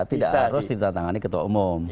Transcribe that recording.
tidak harus ditatangani ketua umum